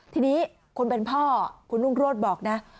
ทีนี้คนเป็นพ่อคุณรุ่งโรธบอกนะ